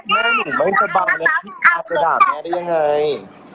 แม่หนูไม่สบายเลยพี่อาจะด่าแม่หนูด้วยอย่างไร